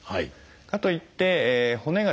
かといって骨がですね